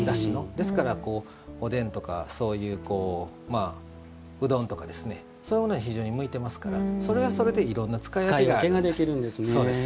ですからおでんとか、うどんとかそういうものに非常に向いていますからそれはそれでいろんな使い分けができます。